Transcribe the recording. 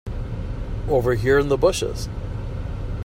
Over here in the bushes.